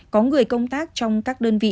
có người công tác trong các đơn vị